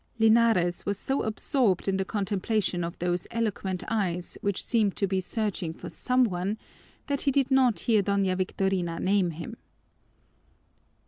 Linares was so absorbed in the contemplation of those eloquent eyes, which seemed to be searching for some one, that he did not hear Doña Victorina name him.